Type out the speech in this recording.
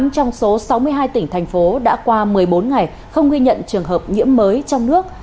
tám trong số sáu mươi hai tỉnh thành phố đã qua một mươi bốn ngày không ghi nhận trường hợp nhiễm mới trong nước